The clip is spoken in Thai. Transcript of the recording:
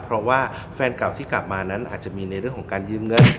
เพราะว่าแฟนเก่าที่กลับมานั้นอาจจะมีในเรื่องของการยืมเงิน